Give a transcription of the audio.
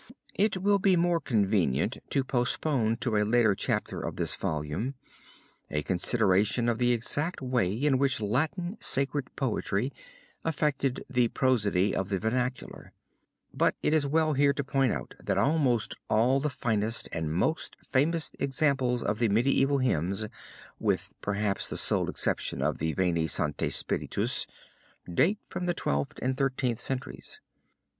ASSISI) "It will be more convenient to postpone to a later chapter of this volume a consideration of the exact way in which Latin sacred poetry affected the prosody of the vernacular; but it is well here to point out that almost all the finest and most famous examples of the medieval hymns, with perhaps the sole exception of the Veni Sancte Spiritus, date from the Twelfth and Thirteenth centuries.